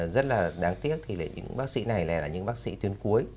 rất là đáng tiếc thì những bác sĩ này này là những bác sĩ tuyến cuối